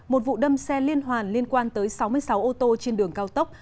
một vụ đâm xe liên hoàn liên quan tới sáu mươi sáu ô tô trên đường cao tốc